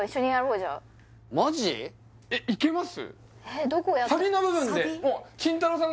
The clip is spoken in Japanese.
えっいけます？